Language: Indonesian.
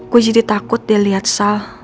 gue jadi takut dia lihat sal